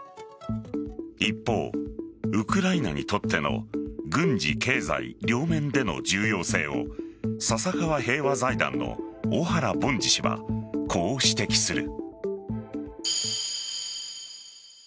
一方、ウクライナにとっての軍事、経済両面での重要性を笹川平和財団の小原凡司氏はこう指摘する。